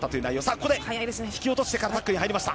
ここで引き落としてからタックルに入りました。